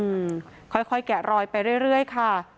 อืมค่อยแกะรอยไปเรื่อยค่ะ